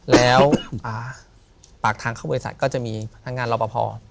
แล้วปากทางเข้าบริษัทก็จะมีพนักงานรอปภ